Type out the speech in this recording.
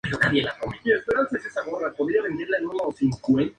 Son aves omnívoras.